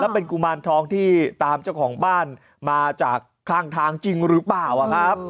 เป็นกุมารทองที่ตามเจ้าของบ้านมาจากข้างทางจริงหรือเปล่าครับ